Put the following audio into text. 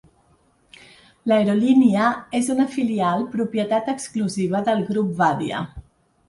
L'aerolínia és una filial propietat exclusiva del Grup Wadia.